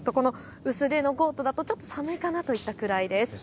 薄手のコートだとちょっと寒いかなといったくらいです。